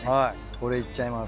これいっちゃいます。